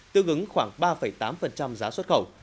tương ứng khoảng ba tám giá xuất khẩu